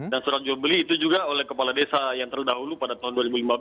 dan surat jual beli itu juga oleh kepala desa yang terdahulu pada tahun dua ribu lima belas